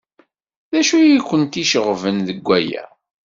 D acu ay kent-iceɣben deg waya?